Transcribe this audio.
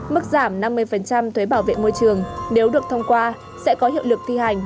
mức giảm năm mươi thuế bảo vệ môi trường nếu được thông qua sẽ có hiệu lực thi hành